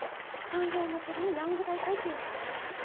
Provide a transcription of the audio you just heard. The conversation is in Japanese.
産業まつりにヤング大会っていうのがあるんだけど。